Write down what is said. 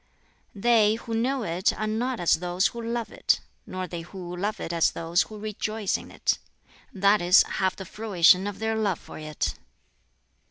"They who know it are not as those who love it, nor they who love it as those who rejoice in it that is, have the fruition of their love for it.